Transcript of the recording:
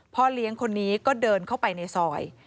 พ่อเลี้ยงคนนี้ก็เดินเข้าไปในซอย